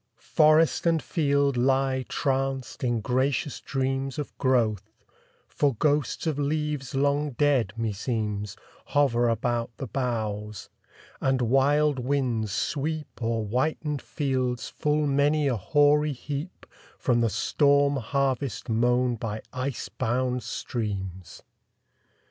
Forest and field lie tranced in gracious dreams Of growth, for ghosts of leaves long dead, me seems, Hover about the boughs; and wild winds sweep O'er whitened fields full many a hoary heap From the storm harvest mown by ice bound streams!